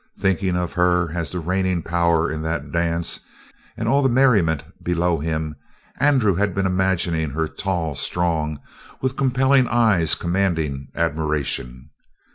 Thinking of her as the reigning power in that dance and all the merriment below him, Andrew had been imagining her tall, strong, with compelling eyes commanding admiration.